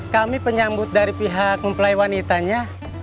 kami penyambut dari pihak mempelai wanitanya